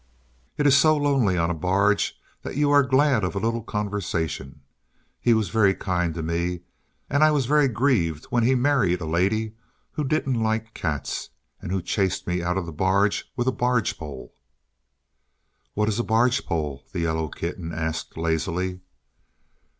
It is so lonely on a barge that you are glad of a little conversation. He was very kind to me, and I was very grieved when he married a lady who didn't like cats, and who chased me out of the barge with a barge pole." "What is a barge pole?" the yellow kitten asked lazily.